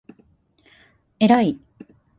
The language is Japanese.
えらい